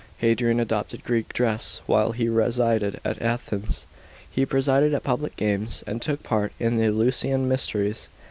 Hadrian adopted Greek dress while he resided at Athens ; he presided at public games, and took part in the Eleusiman mysteries.